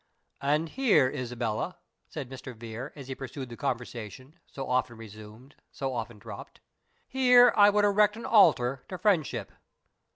"And here, Isabella," said Mr. Vere, as he pursued the conversation, so often resumed, so often dropped, "here I would erect an altar to Friendship."